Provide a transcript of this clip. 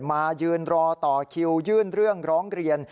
มายืนรอต่อคิวยื่นเรื่องร้องเรียน